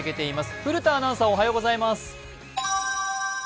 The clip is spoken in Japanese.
古田アナウンサーおはようございます。